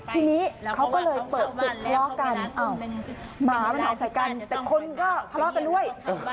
ทีนี้เขาก็เลยเปิดศึกภาลอกันหมามันเห่าใส่กันแต่คนก็ภาลอกันด้วย